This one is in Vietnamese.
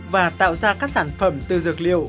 và tạo ra các sản phẩm từ dược liệu